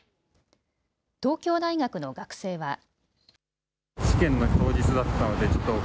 東京大学の学生は。